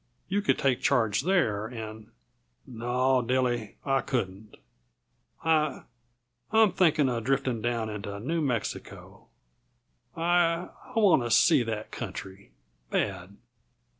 You could take charge there and " "No, Dilly, I couldn't. I I'm thinking uh drifting down into New Mexico. I I want to see that country, bad."